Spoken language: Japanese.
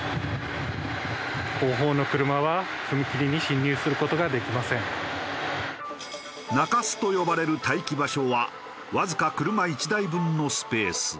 やむを得ず更に中州と呼ばれる待機場所はわずか車１台分のスペース。